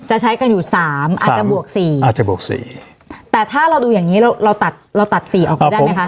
ใช้กันอยู่สามอาจจะบวกสี่อาจจะบวกสี่แต่ถ้าเราดูอย่างงี้เราเราตัดเราตัดสี่ออกไปได้ไหมคะ